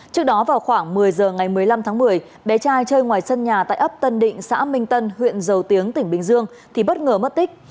trước đó vào khoảng một mươi giờ ngày một mươi năm tháng một mươi bé trai chơi ngoài sân nhà tại ấp tân định xã minh tân huyện dầu tiếng tỉnh bình dương thì bất ngờ mất tích